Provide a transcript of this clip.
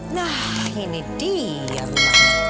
nah ini dia mama